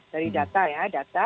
dari data ya